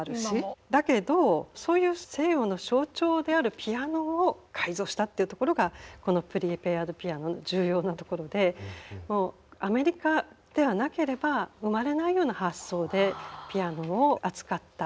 だけどそういう西洋の象徴であるピアノを改造したっていうところがこのプリペアド・ピアノの重要なところでアメリカではなければ生まれないような発想でピアノを扱った。